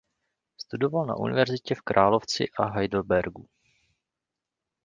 Studoval na univerzitě v Královci a Heidelbergu.